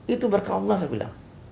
itu berkah allah saya bilang